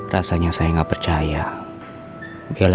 kamu suka banget makan rawon